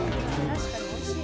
確かにおいしい。